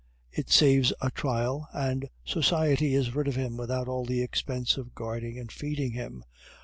It saves a trial, and society is rid of him without all the expense of guarding and feeding him.